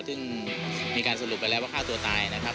ซึ่งมีการสรุปไปแล้วว่าฆ่าตัวตายนะครับ